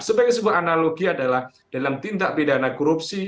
sebagai sebuah analogi adalah dalam tindak pidana korupsi